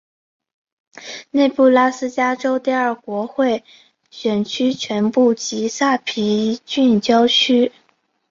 内布拉斯加州第二国会选区全部及萨皮郡郊区。